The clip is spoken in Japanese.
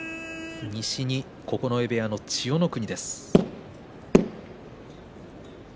西に九重部屋の千代の国です。